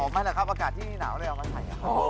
อ๋อไม่แล้วครับอากาศที่นี่หนาวเลยเอามาใช้